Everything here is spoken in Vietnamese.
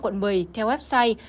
quận một mươi theo website